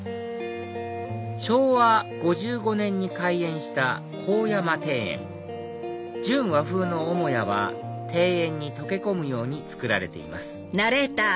昭和５５年に開園した向山庭園純和風の母屋は庭園に溶け込むように造られています